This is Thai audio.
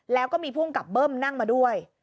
แล้วก็มีภูมิกับเบิ้มนั่งมาด้วย